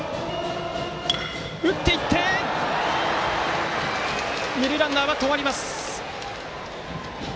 打っていって二塁ランナーは止まります。